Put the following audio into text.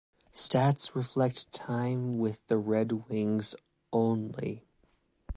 Stats reflect time with the Red Wings only.